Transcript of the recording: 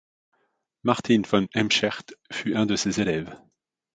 Maarten van Heemskerck fut un de ses élèves.